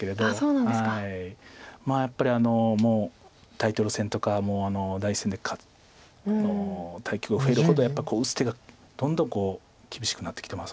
やっぱりもうタイトル戦とか第一線で対局が増えるほどやっぱり打つ手がどんどん厳しくなってきてます。